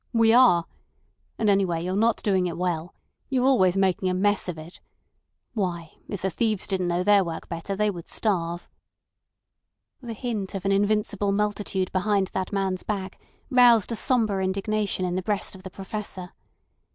We are. And anyway, you're not doing it well. You're always making a mess of it. Why, if the thieves didn't know their work better they would starve." The hint of an invincible multitude behind that man's back roused a sombre indignation in the breast of the Professor.